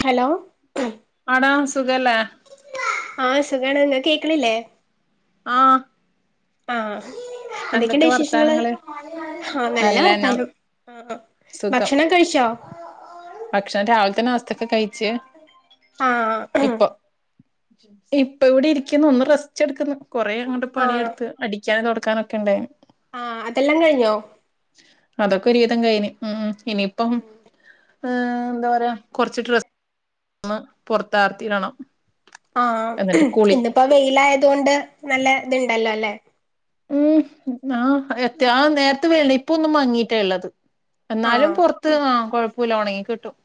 Hello ആടാ സുഖല്ലേ ആ സുഖാണെല്ലോ കേക്കണില്ലേ ആ ആ ആ എന്തൊക്കെയുണ്ട് വിശേഷങ്ങള് വർത്താനങ്ങള് ആ നല്ല നല്ലന്നാ വർത്താനം ആ സുഖം ഭക്ഷണം കഴിച്ചോ ഭക്ഷണം രാവിലെതെ നാസ്സ്ഥൊക്കെ കഴിച്ച്ച് ആഹ് ഇപ്പൊ ഇപ്പ ഇവിടെ ഇരിക്കുന്നു ഒന്ന് റസ്റ്റ് എടുക്കുന്നു കൊ കോറേ അങ്ങോട്ട ആഹ് പണിയെടുത്ത് അടിക്കാനെ തുട കക്കാനൊക്കെ ഉണ്ടായി ആഹ അതെല്ലാം കഴിഞ്ഞോ ഒക്കെ ഒരുവിധം കഴിഞ്ഞു ഇനിയിപ്പം ഏർ എന്താ പറയാ കുറച്ച് ഡ്രെസ്ന്ന് പുൊറത്തർത്തിടണം ആഹ ഇന്നിപ്പോ വെയിലായതുകൊണ്ട് നല്ല ഇത്ണ്ടല്ലോ അല്ലെ ഉം ആഹ എത്തി ആ നേരത്തെ വേണ ഇപ്പ ഒന്നും മങ്ങീട്ടാ ഉള്ളത് എന്നാലും ആഹ് പുറത്ത് കൊഴ പുല ഉണങ്ങി കിട്ടും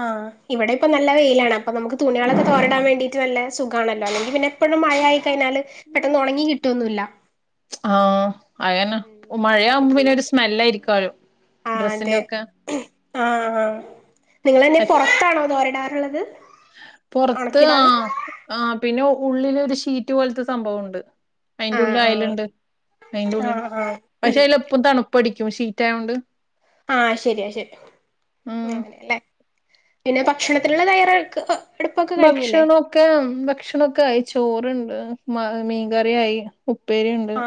ആഹ് ഇവിടെ ഇപ്പൊ നല്ല വെയിലാണ് അപ്പൊ നമുക്ക് തുണികളൊക്കെ തോരടാൻ വേണ്ടീട്ട് നല്ല സുഖമാണല്ലോ അല്ലെങ്കിൽ പിന്നെ ഇപ്പോഴും മഴ ആയി കഴിഞ്ഞാല് പെട്ടെന്ന് ഉണങ്ങി കിട്ടുവൊന്നല്ല ആഹ അതനെ മഴയാവുമ്പോ ഉം പിന്നെ ഒരു സ്മെല്ല ആായിരിക്കുംാലോ ആ അതെ ഡ്രസ്സിന്റെൊക്കെ നിങ്ങെന്നെ പുറത്താണോ എന്ന് പറ വിടാറുള്ളത് പുറത്ത് ആഹ ആ പിന്നെ ഉള്ളില ഒരു ഷീറ്റ് പോലത്തെ സംഭവംുണ്ട് ആ അയിന്റെ ഉള്ളിൽ ആ അയലുണ്ട് അയിന്റെ ആ ഉള്ളില് ആ പക്ഷെ അതില എപ്പും തണുപ്പ പഠിക്കും സീറ്റ ആയോണ്ട് ആഹ ശരിയാ ശരി ഉം അങ്ങനെല്ലേ പിന്നെ ഭക്ഷണത്തിലുള്ള തയറക്ക് ഭക്ഷണംൊക്കെ ഭക്ഷ ഭക്ഷണൊക്കെ ആയി ചോറണ്ട് മ മീൻകറിയായി ഉപ്പേരി ഉണ്ട് ആ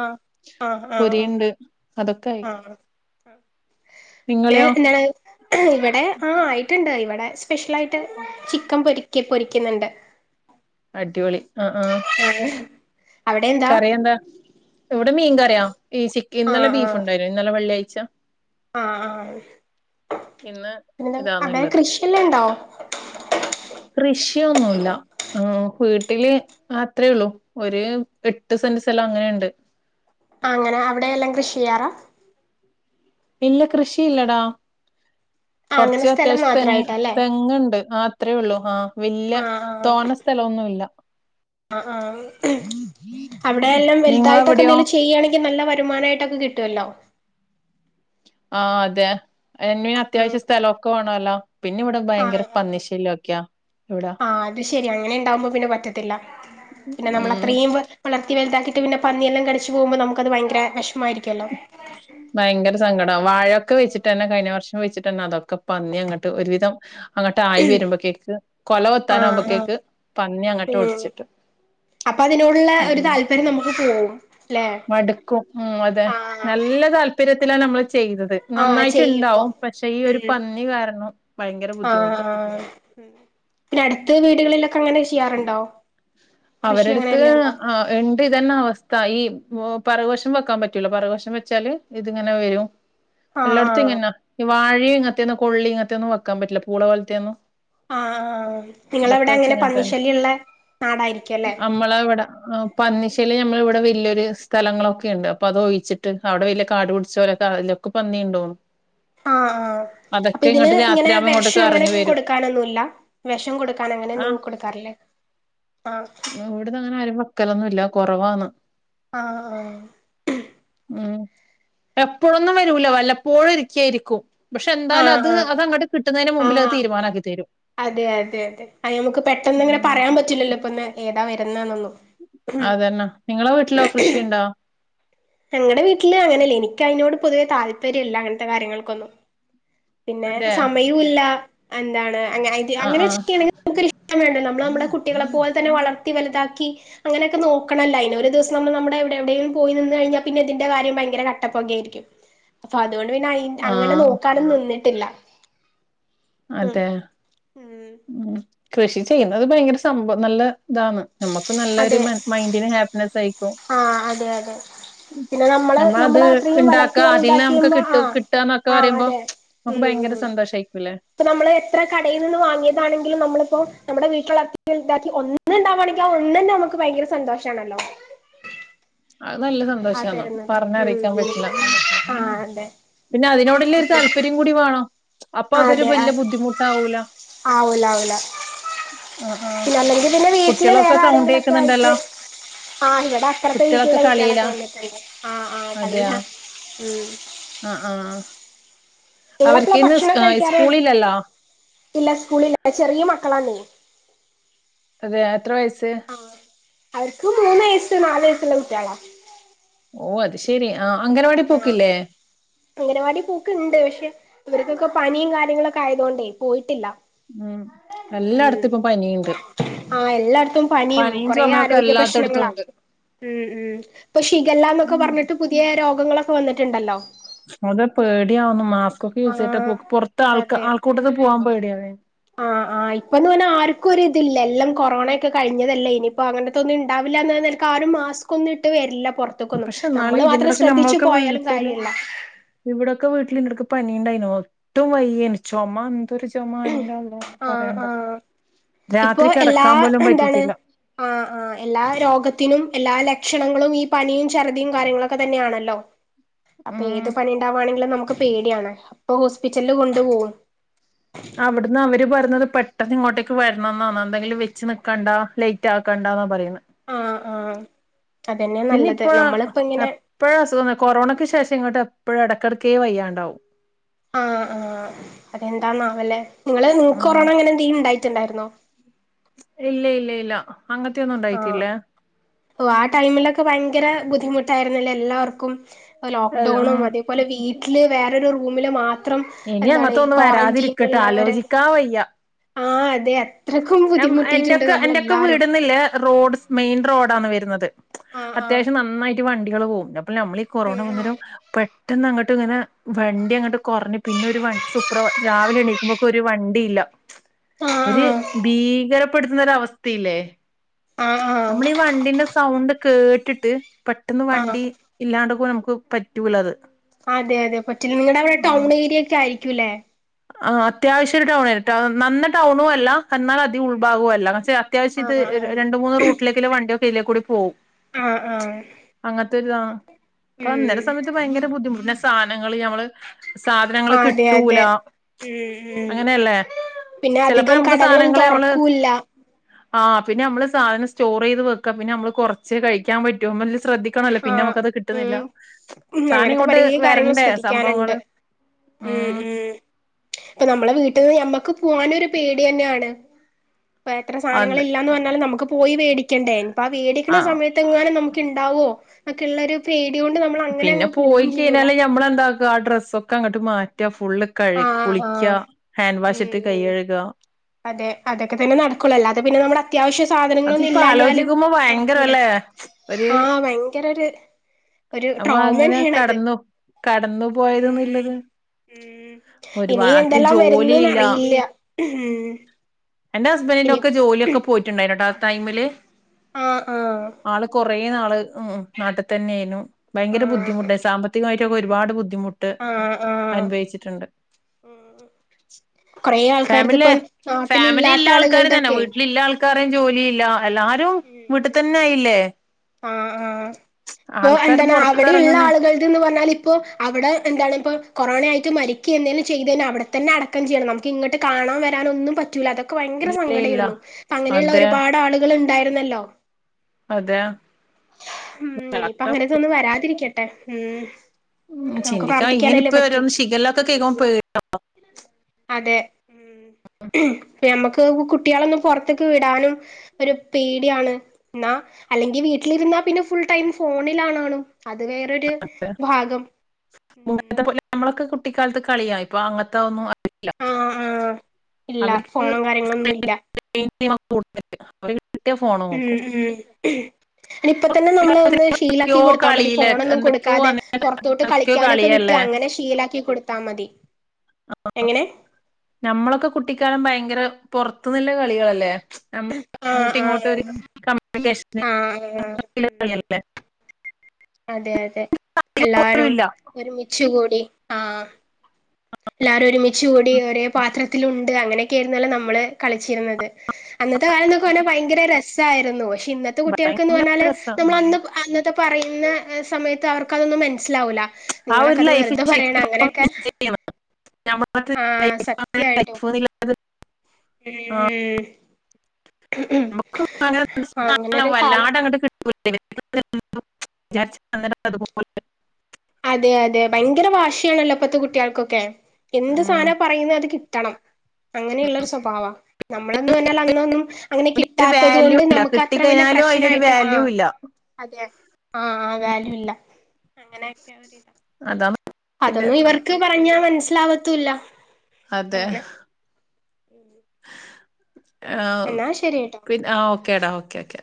ആ ആ ആ പൊരിുണ്ട് അതൊക്കെ ആയി ആ പിന്നെ നിങ്ങളെയോ [unintelligible] ഇവിടെ ആ ആയിട്ടുണ്ട് ഇവിടെ സ്പെഷ്യലായിട്ട് ചിക്കൻ പൊരി ക്ക് പൊരിക്കുന്നുണ്ട് അടിപൊളി ഏയ് കറി എന്താ? ഇവിടെ മീൻ കറി. [unintelligible] ഈ ചീക്ക ഇന്നെലെ ബീഫുണ്ടായിനു ഇന്നലെ വെള്ളിയാഴ് ച്ചം. ആഹ് ആഹ് ഇന്ന് പിന്നെ ന്താ [unintelligible] കൃഷിയെല്ലാം ഉണ്ടോ? കൃഷിയൊന്നുല്ല ആഹ് വീ വീട്ടില് അത്രയേ ഉള്ളൂ. ഒരു എട്ട് സെന്റ് സ്ഥലം അങ്ങനെണ്ട്. അങ്ങനെ അവിടെെല്ലാം കൃഷി ചെയ്യാറാ. ഇല്ല കൃഷിയില്ലടാ. ആഹ് അങ്ങനെ കുറച്ച് സ്ഥലം അത്യാവശ്യം തെങ്ങ് മാത്രായിട്ടല്ലേ തെങ്ങ്ണ്ട്. അത്രയേ ഉള്ളൂ. ആഹ് വലൃയ ആഹ് ആഹ് തോന്നെ സ്ഥലൊന്നുല്ല ആഹ് ആഹ് അവിടെ എല്ലാം വലുതായിട്ടൊക്കെ നിങ്ങളവിടെയോ? എന്തെലും ചെയ്യുകയാണെങ്കിൽ നല്ല വരുമാനമായിട്ടൊക്കെ കിട്ടൊല്ലോ. ആഹ് അതെ. എൻ അത്യാവശ്യ സ്ഥലൊക്കെവാണം. [unintelligible] ആഹ് ആഹ് ഇവിടെ അഹ് അത്ശരി. അങ്ങനെ ഉണ്ടാവുമ്പോ പിന്നെ പറ്റത്തില്ല. പിന്നെ നമ്മൾ ഉം അത്രയും വളർത്തി വലുതാക്കി പിന്നെ പന്നിയെല്ലാം കടിച്ച് പോകുബോ നമുക്കത് ഭയങ്കര വെഷ്മായിരിക്കല്ലോ. ഭയങ്കര സങ്കടാവും. വാഴൊക്കെ വെച്ചിട്ട് തന്നെ കഴിഞ്ഞ വർഷം വെച്ചിട്ട് തന്നെ അതൊക്കെ പന്നി അങ്ങട്ട് ഒരുവിധം അങ്ങട്ട് ആയി വരുമ്പോതേക്ക് കൊല ആഹ് ആഹ് കൊത്താനാവുമ്പോതേക്ക് പന്നി അങ്ങട്ട് ഉം ഒടിച്ചിട്ട്. അപ്പൊ അതിനോടുള്ള ഉം ഒരു ഉം. താല്പര്യം നമുക്ക് പോവും ല്ലേ മടുക്കും ഉം അതെ ആഹ് നല്ല താല്പര്യത്തിലാ നമ്മള് ചെയ്തത് ആഹ് ചെയ്യുമ്പോ നന്നായിട്ട്ണ്ടാവും പക്ഷെ ഈ ഒരു ഉം പന്നി കാരണം ഭയങ്കര ബുദ്ധിമുട്ട്. ആഹ് പിന്നെ അടുത്ത വീടുകളിലൊക്കെ അങ്ങനെ ചെയ്യാറുണ്ടോ? കൃഷി അവരട്ത്ത് അങ്ങനെയെല്ലാം ഉണ്ടോ ആഹ് ഇണ്ട് ഇതന്നെ അവസ്ഥ ഈ ഓ പറകുവശം വെക്കാൻ പറ്റൂല. പറകുവശം വെച്ചാല് ഇതിങ്ങനെ വരും. ആഹ് എല്ലാട്ത്തും ഇങ്ങനാ ഈ വാഴ ഇങ്ങനത്തെന്നും കൊളളി ഇങ്ങനെതെന്നും വെക്കാൻ പറ്റൂല. പൂളപോലത്തേന്നും. ആഹ് ആഹ് നിങ്ങളവിടെ അങ്ങനെ പന്നിശല്യള്ള നാടായിരിക്കും അല്ലേ നമ്മളവിടെ പന്നിശലൃം നമ്മളിവി അവിടെ വല്ല്യരു സ്ഥലങ്ങളൊക്കെ ഇണ്ട് അപ്പൊ അത് ഒഴിച്ചിട്ട് അവിടെ വല്ല്യ കാട് പിടിച്ച പോലൊക്കെ അതിലൊക്കെ പന്നിണ്ടോവും ആഹ് ആഹ് അപ്പൊ ഇതിന് ഇങ്ങനെ രാത്രിയാകുമ്പോ ഇങ്ങോട്ടൊക്കെ വെഷം അങ്ങനെ ഇറങ്ങി ഒന്നും വരും കൊടുക്കാനൊന്നുല്ല വെഷം കൊടുക്കാൻ അങ്ങനെ കൊടുക്കാറില്ലേ ആഹ് മൂട്ത്ത ആരും വെക്കലൊന്നുല്ല കുറവാന്ന് ആഹ്ആഹ് ഉം എപ്പോഴൊന്നും വരൂല്ല വല്ലപ്പോഴും ഒരിക്കെയാ യിരിക്കും. പക്ഷെ എന്താലും ആഹ് അത് ആഹ് അത് അങ്ങട്ട് കിട്ടുന്നതിന് മുമ്പിൽ അത് ആഹ് തീരുമാനാക്കി തരും അതെ അതെ അതെ അ നമക്ക് പെട്ടെന്ന് അങ്ങനെ ഉം പറയാൻ പറ്റില്ലല്ലോ ഇപ്പന്ന് ഏതാ വരുന്നേനൊന്നും അതന്നാ നിങ്ങളെ വീട്ടിലോ കൃഷിണ്ടോ ഞങ്ങളടെ വീട്ടില് അങ്ങനെയല്ല എനിക്കയ്നോട് പൊതുവേ താല്പര്യല്ല അങ്ങനത്തെ കാര്യങ്ങൾക്കൊന്നും പിന്നെ അതെ സമയല്ല എന്താണ് ആഹ് അങ്ങനെ ആഹ് ചെയ്യണമെങ്ക [unintelligible] നമുക്ക [unintelligible] ഇഷ്ട വേണ്ട [unintelligible] [inaudible] കുട്ടികളെ പോലെ തന്നെ വളർത്തി വലുതാക്കി അങ്ങനെയൊക്കെ നോക്കണല്ലൊ അയ്നെഒരു ദിവസം നമ്മ നമ്മടെ എവിടെ എവിടെ പോയി നിന്ന് കഴിഞ്ഞാൽ പിന്നെ ഇതിന്റെ കാര്യം ഭയങ്കര കട്ടപ്പൊകെ ആയിരിക്കും ഫ അതോണ്ട് പിന്നെ അയ് അങ്ങനെ ആഹ് നോക്കാണുന്നിന്ന് ട്ടില്ല അതെ ഉം കൃഷി ചെയ്യുന്നത് ഭയങ്കര സംഭവ നല്ല ഇതാണ് നമുക്ക് നല്ലരു മൈന്ഡിന് ഹാപ്പിനെസ്സ് ആയിക്കും ആ അതെ അതെ പിന്നെ നമ്മള് നമ്മൾ നമ്മളത് അത്രയും ഇണ്ടാക്ക വളർത്തി അതിൽന്ന് വലുതാക്കി നമുക്ക് മ്പൊ കിട്ടു കിട്ടാന്നൊക്കെ ആഹ് അതെ ഉം ഉം ഉം ല്ലെ ഇപ്പൊ നമ്മള് എത്ര കടയിൽ നിന്ന് വാങ്ങിയതാണെങ്കിലും നമ്മളിപ്പോ നമ്മുടെ വീട്ടിലുള്ളാക്ക ഒന്ന ഉണ്ടാവാവാണെങ്കി ആ ഒന്നന്നെ നമുക്ക് ഭയങ്കര സന്തോഷാണല്ലോ അഹ് നല്ല ആ സന്തോഷാന്നു തരുന്നത് പറഞ്ഞ ഉം അറിയിക്കാൻ ഉം പറ്റില്ല ആ അതെ പിന്നെ അതിനോട്‌ ള്ളൊരു അതെ താല്പര്യം കൂടി വേണം അപ്പൊ അതൊരു അതെ ആ വല്യ ബുദ്ധിമുട്ടാവൂല ആവൂലാ വൂല ആ ആ പിന്നെ അല്ലെങ്കി പിന്നെ വീട്ടില് കുട്ടികളൊക്കെ വേറെ സൗണ്ട് ആരെങ്കിലൊക്കെ ആയിട്ട് കേക്കുന്നുണ്ടല്ലോ ആ ഹ് ഇവിടെ അത്ര ഇപ്പ കുട്ടികളൊക്കെ വീട്ടിലുള്ള കുട്ട്യേളൊക്കെ കളിയിലാ വന്നിട്ട് ആ ഹ് ആഹ് കളില അതെയാ ഉം [inaudible] അവർക്ക് നിങ്ങളെപ്പളാ ഇന്ന് ഭക്ഷണം സ്ക കഴിക്കാർ സ്കൂളില്ലല്ലോ ഇല്ല സ്കൂള്ല്ല ചെറിയ മക്കളാണ് ഏത്ര വയസ് ആഹ് അവർക്ക് മൂന്ന് വയസ്സ് നാലു വയസ്സുള്ള കുട്ടികളാ ഓ അത് ശരിയാ ആഹ് അംഗനവാടി പൂക്ക് ഉണ്ട് പക്ഷെ അവർക്കൊക്കെ പനിയും കാര്യങ്ങളൊക്കെ ആയതുകൊണ്ടേ പോയിട്ടില്ല ഉം ഉം എല്ലായിടത്തും ഇപ്പൊ പനിയുണ്ട് ആഹ് എല്ലായിടത്തും പനിയും കൊറേ ചുമയൊക്കെ ആരോഗ്യ എല്ലാത്തടത്തും പ്രശ്നങ്ങളാണ് ഉണ്ട് ഉം ഉം ഇപ്പോ ശിഖല്ലന്നൊക്കെ ഉം പറഞ്ഞിട്ട് പുതിയ രോ മുഖങ്ങളൊക്കെ വന്നിട്ടുണ്ടല്ലോ അത പേടിയാവുന്നു മാസ്കൊക്കെ യൂസ് ആഹ് ചെയ്ട്ട പുറത്ത് ആൾ അതെ ആൾക്കൂട്ട പോകാൻ പേടി ടിയാണ് ആഹ് ആഹ് ഇപ്പൊ എന്ന് പറഞ്ഞാ ആർക്കും ഒരി ഇതില്ല എല്ലാം കൊറോണയൊക്കെ കഴിഞ്ഞതല്ലേ ഇനിയിപ്പോ അങ്ങനത്തെൊന്നും ഇണ്ടാവില്ല എക്കക്ക് ആരും മാസ്ക് ഒന്നും ഇട്ട് വരില്ല പുറത്തേക്കൊന്നും പക്ഷെ എന്നാലും നമ്മള് മാത്രം ഇതിന്റെടക്ക് ശ്രദ്ധിച്ചു നമ്മക്ക് പോയാലും വീട്ടില് കാര്യല്ല ഇവിടൊക്കെ വീട്ടില് ഇട പണിണ്ടയ്നു ഒട്ടും വൈ്യന ചോമാ ആഹ് ആഹ് ഇപ്പൊ രാത്രി എല്ലാ കിടക്കാൻ പോലും എന്താണ് പറ്റിട്ടില്ല ആഹ് ആഹ് എല്ലാ രോഗത്തിനും എല്ലാ ഭക്ഷണങ്ങളും ഈ പനിയും ചറദിയും കാര്യങ്ങളൊക്കെ തന്നെയാണല്ലോ അപ്പൊ ഉം ഏത് പണി ഉണ്ടാവാണെങ്കിലും നമുക് പേടിയാണ് അപ്പൊ ഹോസ്പിറ്റലില് കൊണ്ടു പോകും അവിടുന്ന് അവര് പറ ത് പെട്ടെന്ന് ഇങ്ങോട്ടേക്ക് വരണം എന്നാ എന്തങ്കിലും വെച്ച് നിൽക്കണ്ട ലേറ്റ് ആക്കണ്ടാന്നാ പറയുന്ന ആഹ് ആഹ് അതന്നെ പിന്ന നല്ലത് ഇപ്പോ നമ്മളിപ്പോ ഇങ്ങനെ എപ്പഴ അസുഖ കൊറോണക്ക് ശേഷം ഇങ്ങോട്ട് ഇപ്പോഴ ഇടയ്ക്കിടക്കയേ വയ്യാണ്ടാവും ആഹ് ആഹ് അതെന്താന്നാവലെ നിങ്ങള് നിങ്ങക്ക് ഉം കൊറോണ അങ്ങെ എന്ത [unintelligible] ണ്ടായിരുന്നോ ഇല്ല ഇല്ല ഇല്ല അങ്ങനത്തെയൊന്നും ആഹ് ഉണ്ടായിട്ടില്ലേ ഒ ആ ടൈമില് ഭയങ്കര ബുദ്ധിമുട്ടായിരുന്നില്ലേ എല്ലാവർക്കും ലോക്ക്ഡൗണും ഉം അതേപോലെ വീ ട്ടില് വേറൊരു റൂമില് മാ ഇനി അങ്ങത്തെ ഒന്നും വരാതിരിക്കട്ടെ ആലോചിക്കാ വയ്യ ആഹ് അതെ അത്രക്കും ബുദ്ധിമുട്ടിയിട്ടുണ്ട് എന്റെക്കെ എന്റെക്കെ നമ്മളെല്ലാരും വീടന്നില്ലേ റോഡ് മെയിൻ റോഡാണ് വരുന്നത് ആഹ് ആഹ് അത്യാവശ്യം നന്നായി- വണ്ടിക-ളെ പോവുലോ നമ്മളെ ഈ കൊറോണ വന്നേരം പെട്ടന്ന് അങ്ങോട്ട് ഇങ്ങനെ വണ്ടി അങ്ങോട്ട് കുറഞ്ഞു പിന്നെ ഒരു വ സൂപ്ര രാവിലെ എണീക്കുമ്പോക്ക ഒരു വണ്ടി ഇല്ല. ആഹ് ഒരു ഭീകരപ്പെടുത്തുന്ന ഒരവസ്ഥല്ലേ ആഹ് ആഹ് നമ്മളെ ഈ ആഹ് വണ്ടിന്റെ സൗണ്ട് കേട്ടിട്ട് പെട്ടെന്ന് ആഹ് വണ്ടി ഇല്ലാണ്ട് പോ നമു പറ്റുല്ലത് അതെ അതെ പറ്റില നിങ്ങളുടെ അവിടെ ടൗൺ ഏരിയ ഒക്കെ ആയിരിക്കും ആയിരിക്കുലേ ആ അത്യാവശ്യ ഒരു ടൗൺ ആ നന്ന ടൗണും അല്ല എന്നാലൽ അതി ഉൾഭാഗവും അല്ല അത്യാവശ്യ ഇത് ആഹ് ആഹ് രണ്ട് മൂന്ന് റൂട്ടിലേക്കെ വണ്ടി യിലെ കൂടി പോകവും ആഹ് ആഹ് അപ്പും ചില ഉം സമയത്ത് ഭയങ്കര ബുദ്ധിമുട്ട- പിന്നെ സാധനങ്ങള് ഞമ്മള് സാധനങ്ങള് ആഹ് അതെ കിട്ടൂല അതെ ഉം ഉം അങ്ങനെയല്ലേ പിന്നെ ചിലപ്പോ അധികം കടകളൊന്നും തൊറക്കൂല്ല ആഹ് പിന്നെ നമ്മള് സാധനം സ്റ്റോർ ചെയ്ത് വെക്ക പിന്നെ നമ്മള് കുറച്ചെ കഴിക്കാൻ പറ്റും ശ്രദ്ധിക്കണല്ലോ പിന്നെ ആഹ് നമുക്കത് കിട്ടുന്നില്ല ഉം ഉം സാന അങ്ങനത്തെ ഇങ്ങോട്ട് പലേ കാര്യങ്ങൾ വരണ്ടേ സംഭവങ്ങ ശ്രദ്ധിക്കാനുണ്ട് ഉം ഇപ്പൊ നമ്മളെ വീട്ടിൽന്ന് ഞമ്മക്ക് പോകൻരു പേടിയന്നെയാണ് ഇപ്പൊ എത്ര അത് സാധനങ്ങളല്ലാന്ന് പറഞ്ഞാലും നമുക്ക് പോയി വേടിക്കേണ്ടേ അപ്പം ആഹ് വേടിക്കുന്ന ആ സമയത്ത് എങ്ങനെ നമുക്ക്ണ്ടാവോ ഒക്കെള്ള ഒരു പേടി പിന്നെ അങ്ങ് പോവും പോയി ചെയ്യൂല കഴിഞ്ഞാല് ഞമ്മളെന്താ ആഹ് ഡ്രസ്സൊക്കെ അങ്ങോട്ട് മാറ്റും ആഹ് ആഹ് ഉം വാഷിട്ട് കൈ ഉം കഴുക അതെ അതൊക്കെ തന്നെ നടക്കൂളല്ല അത പിന്നെ നമ്മുടെ അത്യാവശ്യം സാധനങ്ങളൊന്നും അതിപ്പോ ഇല്ലഞ്ഞാലും ആലോചിക്കുമ്പോ നടക്കൂല ഭയങ്കരല്ലേ ഒരു ആഹ് ഭയങ്കര ഒരു ഒരു നമ്മ ട്രോമ അങ്ങനെ തന്നെയണത് കടന്നു കടന്നു ഉം ഉം ഇനി ഒരുപാർക്കും എന്തെല്ലാം വരുന്നന്ന് ജോലിയില്ല അറിയില്ല ഉം എന്റെ ഹസ്ബൻന്റിന്റെറെ ഇനി ഒക്കെ ജോലിയൊക്കെ പോയിട്ടുണ്ടായിനുട്ടോ ടൈമില് ആഹ് ആഹ് ആള് കൊറേ നാള് ഉം നാട്ടി തന്നെന്നു ഭയങ്കര ആഹ് ബുദ്ധിമുട്ട സാമ്പത്തികമായിട്ടൊക്കെ ഉം ഒരുപാട് ബുദ്ധിമുട്ട് ആഹ് ആഹ് അനുഭവിച്ചിട്ട്ണ്ട് ഉം കൊറേ ആൾക്കാര്ത് ഫാമിലെ ഇപ്പം ഫാമിലി നാട്ടിലില്ലാത്ത ല്ലെ ആൾക്കാര് തന്നെ ആളുകൾതൊക്കെ വീട്ടിലിള്ളാൾ ക്കാറൻ ജോലിയില്ല എല്ലാരും ഉം ഉം വീട്ട്തന്നായില്ലേ ആഹ് ആഹ് ഇപ്പൊ എന്താണ് അവടി ള്ളെ പുറത്തിറങ്ങുന്ന ആളുകൾത് ന്ന് പർഞ്ഞാലിപ്പൊ അവടെ എന്താണ് പ്പൊ കൊറോണായിട്ട് മരിക്കെ എന്തേലും ചെയ്തഴ്ഞ്ഞാ അവടെ തന്നെ അടക്കം ചെയ്യണം നമക്ക് ഇങ്ങട്ട് കാണാൻ വരാനൊന്നും പറ്റൂല്ല അതൊ ക്കെ ഭയങ്കര ഇല്ല ഇല്ല സങ്കടേര്ന്നു അപ്പങ്ങനെള്ള അതെ ഒരുപാട് ആള്കള് ഉണ്ടായിരുന്നല്ലോ അതെ ഉം ഇനിയിപ്പോ അങ്ങനെത്തൊന്നും വരാതിരിക്കട്ടെ. ഉം ഉം നമുക്ക് ചിന്തിക്കാ ഇങ്ങനെ പ്രാർത്ഥിക്കാനല്ലേ ഇപ്പ പറ്റു ഓരോന്ന് ശിഖല്ലൊക്കെ കേൾക്കുമ്പോ അതെ പ്പ ഞമ്മക്ക് കുട്ട്യെളൊന്നും പൊർത്ത്ക്ക് വിടാനും ഒര് പേട്യാണ്. ന്നാ അല്ലെങ്കി വീട്ടിലിര്ന്നാ പിന്നെ ഫുൾ ടൈം ഫോണിലാണാ ണും അത് വേറൊരു പേടിയാ ഭാഗം ഉം ട്ടിക്കാലത്ത് കളിയാ ഇപ്പോ അങ്ങൻത്തൊന്നും അ ആഹ് ആഹ് ഇല്ല, അവർക്ക് ഫോണും കാര്യങ്ങളൊന്നുല്ല [inaudible] ഫോണ് ഉംഹ് നോക്കും ഉംഹ് യ്ന് ഇപ്പ തന്നെനമ്മളൊന്ന് എന്തൊക്കെയോ ശീലാക്കികൊടുത്താമതി കളിയില് ഫോണൊന്നും എന്തൊക്കെയോ കൊടുക്കാതെ പൊർത്തോട്ട് എന്തൊക്കെയോ കളിക്കാനൊക്കെ കളിയല്ലേ വിട്ട്, അങ്ങനെ ശീലാക്കി കൊടുത്താമതി ആഹ് ഞമ്മളൊക്കെ കുട്ടിക്കാലം ഭ ഭയ്ങ്കര പൊർത്ത്ന്ന്ല്ലെ കളികളല്ലേ നമ്മ ആഹ് ആഹ് അങ്ങോട്ടുമിങ്ങോട്ടൊര് കമ്യൂണിക്കേഷേന് ആഹ് ആഹ് [unintelligible] കളിയല്ലേ അതെയതെ എല്ലാരും ഇല്ല ഒരുമിച്ചുകൂടി ആഹ് എല്ലാരും ഒരുമിച്ചു കൂടി ഒരേപാത്രത്തിലുണ്ട് അങ്ങനെയൊക്കെയായിരുന്നല്ലോ നമ്മള് കളിച്ചിരുന്നത്. അന്നത്തെ കാലന്നൊക്കെ പർഞ്ഞാ ഭയങ്കര രസായിരുന്നു പഷ് ഇന്നത്തെ കുട്ട്യേൾക്ക്ന്ന് ഭയങ്കര പർഞ്ഞാല് രസം നമ്മളന്ന് അന്നത്തെ പറയുന്ന സമയത്ത് അവർ ക്കതൊന്നും മനസ്സിലാവൂല്ല ആ ഒരു നിങ്ങളൊക്കെത് ലൈഫ് വെറുതെ പറയണ ശരിക്കും അങ്ങനെക്കെ [inaudible] ഉം ഉം നമുക്ക് [unintelligible] അങ്ങനൊരു കാലം വല്ലാടങ്ങോട് കി [unintelligible] അതെയതെ ഭയങ്കര വാശിയണല്ലോ ഇപ്പളത്തെ കുട്ടികൾക്കൊക്കെ ഉം എന്തുസാധനാ പറയുന്നത് അതുകി ട്ടണം അങ്ങനെയ്ള്ളൊരു സ്വ അങ്ങനെ ഒരു വാല്യൂ ഇല്ല കിട്ടിക്കഴിഞ്ഞാലും അതിനൊരു വാല്യൂ ഇല്ല [unintelligible] അതാം അതൊന്നു ഇവർക്ക് പറഞ്ഞാ മൻസ്സ് ലാവത്തുല്ല അതെ അങ്ങനെ ആ എന്നാ ശരിട്ടോ പിന്നെ ആ ഓക്കേടാ ഓക്കെ ഓക്കെ